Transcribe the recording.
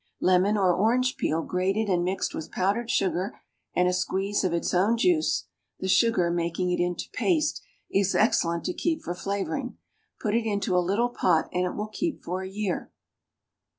Lemon or orange peel grated and mixed with powdered sugar and a squeeze of its own juice (the sugar making it into paste) is excellent to keep for flavoring; put it into a little pot and it will keep for a year.